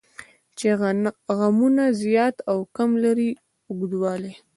چې غمونه زیات او کم لري اوږدوالی.